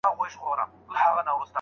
سړي په خپل اختیار سره کوم ضرر زغملی دی؟